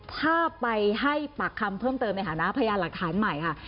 ถ้าไปให้ปากคำเพิ่มเติมในฐานะพยานหลักฐานใหม่ค่ะ